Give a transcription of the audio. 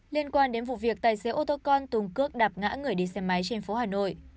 liên quan đến vụ việc tài xế ô tô con tùng cướp đạp ngã người đi xe máy trên phố hà nội